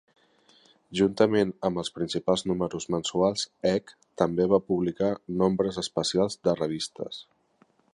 Juntament amb els principals números mensuals, "Egg" també va publicar nombres especials de revistes.